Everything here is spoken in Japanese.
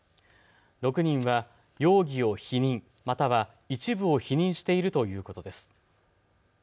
６人は容疑を否認、または一部を否認しているということです。